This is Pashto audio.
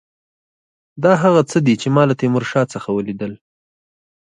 دا هغه څه دي چې ما له تیمورشاه څخه ولیدل.